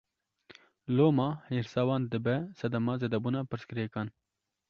Loma hêrsa wan dibe sedema zêdebûna pirsgirêkan.